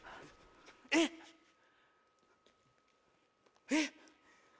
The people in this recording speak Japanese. えっ？えっ？